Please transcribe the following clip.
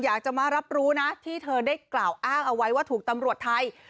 อยากจะมารับรู้นะที่เธอได้กล่าวอ้างเอาไว้ว่าถูกตำรวจไทย